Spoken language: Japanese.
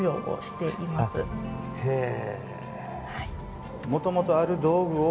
へえ。